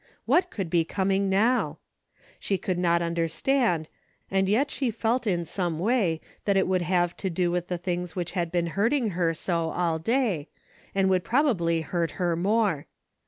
What could be coming now ? She could not under stand, and yet she felt in some way that it would have to do with the things which had been hurting her so all day, and would prob ably hurt her more.